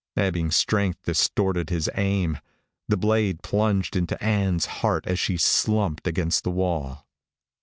Ebbing strength distorted his aim. The blade plunged into Ann's heart as she slumped against the wall.